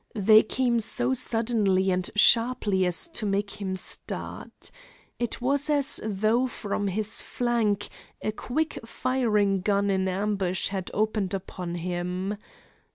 They came so suddenly and sharply as to make him start. It was as though from his flank a quick firing gun in ambush had opened upon him.